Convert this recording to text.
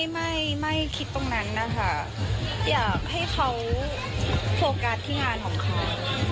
ไม่ไม่คิดตรงนั้นนะคะอยากให้เขาโฟกัสที่งานของเขา